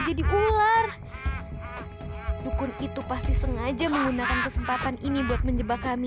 jadi ular dukun itu pasti sengaja menggunakan kesempatan ini buat menjebak kami